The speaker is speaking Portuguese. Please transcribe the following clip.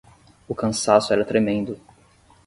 O cansaço era tremendo